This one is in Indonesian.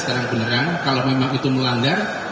kadang beneran kalau memang itu melanggar